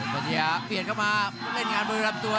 ปัญญาเปลี่ยนเข้ามาเล่นงานบริษัทตัว